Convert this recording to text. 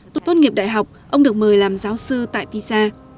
tốt nghiệp đại học ông được mời làm giáo sư tại pisa